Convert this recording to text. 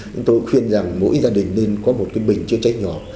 chúng tôi khuyên rằng mỗi gia đình nên có một cái bình chữa cháy nhỏ